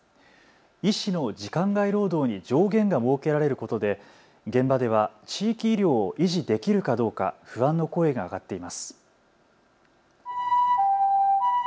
医師の時間外労働に上限が設けられることで現場では地域医療を維持できるかどうか不安の声が上がっています。